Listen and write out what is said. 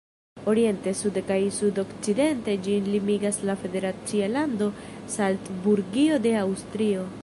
Oriente, sude kaj sudokcidente ĝin limigas la federacia lando Salcburgio de Aŭstrio.